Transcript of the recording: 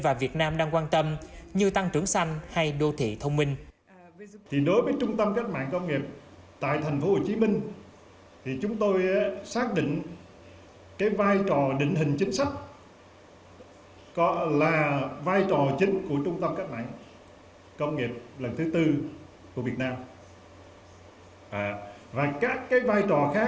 và việt nam đang quan tâm như tăng trưởng xanh hay đô thị thông minh